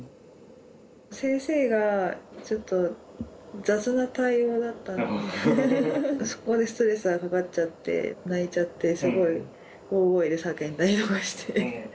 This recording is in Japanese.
先生がちょっと雑な対応だったのでそこでストレスがかかっちゃって泣いちゃってすごい大声で叫んだりとかして。